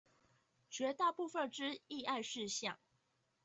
絕大部分之議案事項